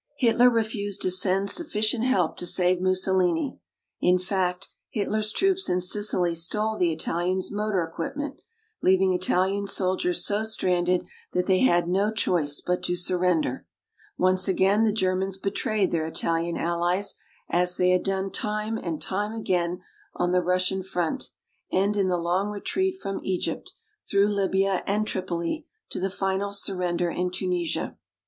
Hitler refused to send sufficient help to save Mussolini. In fact, Hitler's troops in Sicily stole the Italians' motor equipment, leaving Italian soldiers so stranded that they had no choice but to surrender. Once again the Germans betrayed their Italian allies, as they had done time and time again on the Russian front and in the long retreat from Egypt, through Libya and Tripoli, to the final surrender in Tunisia.